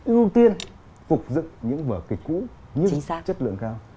ưu tiên phục dựng những vở kịch cũ như chất lượng cao